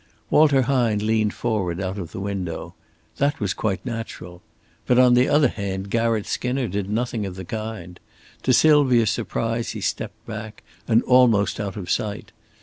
Walter Hine leaned forward out of the window. That was quite natural. But on the other hand Garratt Skinner did nothing of the kind. To Sylvia's surprise he stepped back, and almost out of sight.